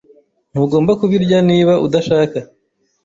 Ntugomba kubirya niba udashaka.